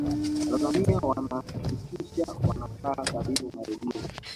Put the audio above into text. watanzania walihakikisha wanakaa karibu na redio